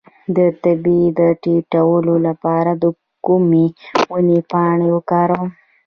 د تبې د ټیټولو لپاره د کومې ونې پاڼې وکاروم؟